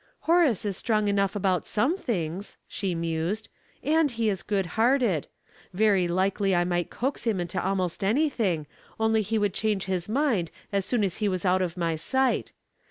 " Horace is strong enough about some things," she mused, *' and he is good hearted. Very likely I might coax him into almost anything, only he would change his mind as soon as he was out of my sight.